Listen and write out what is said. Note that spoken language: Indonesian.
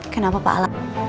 kenapa pak al